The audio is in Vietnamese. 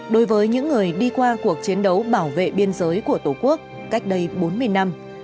đối với những người đi qua cuộc chiến đấu bảo vệ biên giới của tổ quốc cách đây bốn mươi năm